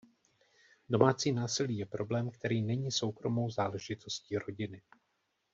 Domácí násilí je problém, který není soukromou záležitostí rodiny.